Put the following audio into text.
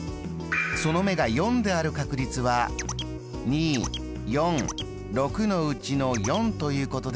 その目が４である確率は２４６のうちの４ということですから。